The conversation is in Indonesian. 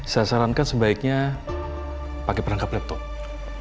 saya sarankan sebaiknya pakai perangkap laptop